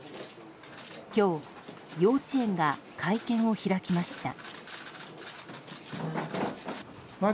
今日、幼稚園が会見を開きました。